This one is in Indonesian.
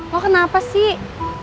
lo kenapa sih